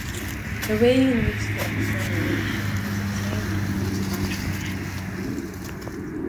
The way in which the exoneration was obtained remains controversial.